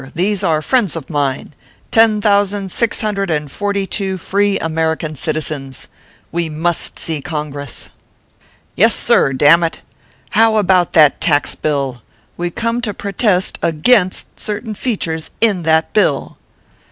These are friends of mine ten thousand six hundred and forty two free American citizens. We must see Congress. ORPHEUS C. KERB PAPERS. 241 Yessir ! dammit. How about that tax bill ? We come to protest against certain features in that bill."